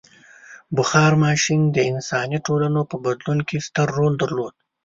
• بخار ماشین د انساني ټولنو په بدلون کې ستر رول درلود.